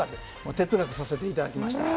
哲学させていただきました。